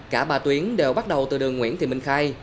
cả ba tuyến đều bắt đầu từ đường nguyễn thị minh khai